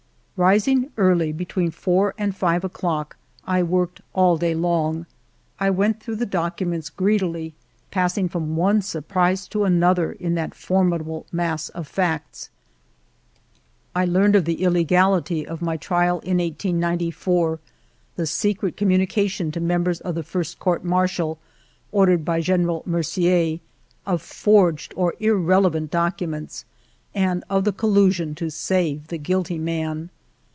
Rising early, between four and five o'clock, I worked all day long. I went through the docu ments greedily, passing from one surprise to another in that formidable mass of facts. I learned of the illegality of my trial in 1894, the secret communication to members of the first Court Martial, ordered by General Mercier, of forged or irrelevant documents, and of the collu sion to save the guilty man.